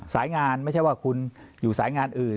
สายงานไม่ใช่ว่าคุณอยู่สายงานอื่น